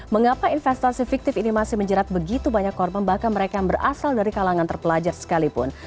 mengapa investasi fiktif ini masih menjerat begitu banyak korban bahkan mereka yang berasal dari kalangan terpelajar sekalipun